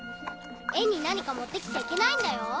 園に何か持って来ちゃいけないんだよ。